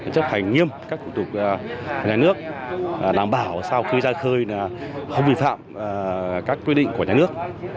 chấp hành nghiêm các thủ tục nhà nước đảm bảo sau khi ra khơi không vi phạm các quy định của nhà nước